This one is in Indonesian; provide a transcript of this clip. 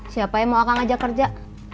siapa yang mau akan ajak kerja